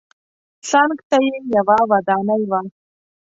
څنګ ته یې یوه ودانۍ وه.